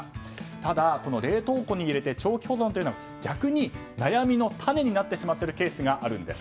ただ、冷凍庫に入れて長期保存というのは逆に悩みの種になってしまっているケースがあるんです。